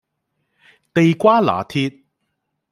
地瓜拿鐵